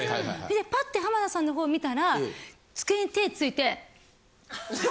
でパッて浜田さんの方見たら机に手ついて。